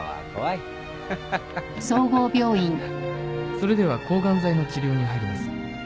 それでは抗ガン剤の治療に入ります。